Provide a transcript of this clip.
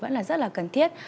vẫn rất là cần thiết